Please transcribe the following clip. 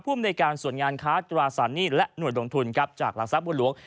ผู้บริการส่วนงานค้าตราสันนี่และหน่วยลงทุนจากหลักทรัพย์วลวง